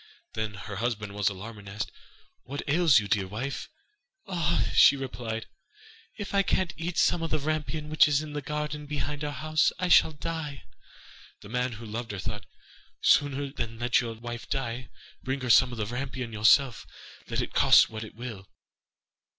Then her husband was alarmed, and asked: 'What ails you, dear wife?' 'Ah,' she replied, 'if I can't eat some of the rampion, which is in the garden behind our house, I shall die.' The man, who loved her, thought: 'Sooner than let your wife die, bring her some of the rampion yourself, let it cost what it will.